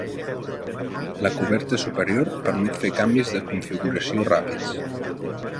La coberta superior permet fer canvis de configuració ràpids.